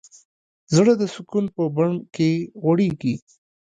زړه د سکون په بڼ کې غوړېږي.